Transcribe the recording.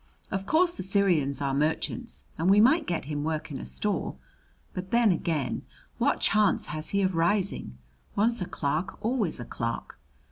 Of course the Syrians are merchants, and we might get him work in a store. But then again what chance has he of rising? Once a clerk, always a clerk."